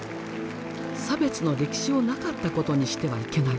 差別の歴史をなかったことにしてはいけない。